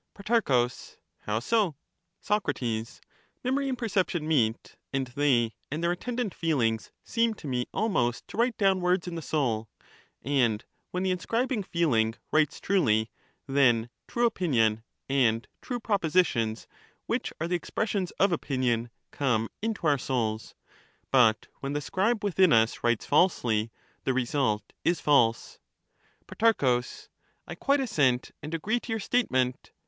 Pro, How so ? Soc, Memory and perception meet, and they and their 39 attendant feelings seem to me almost to write down words in the soul, and when the inscribing feeling writes truly, then true opinion and true propositions which are the expressions of opinion, come into our souls — but when the scribe within us writes falsely, the result is false. Pro, I quite assent and agree to your statement.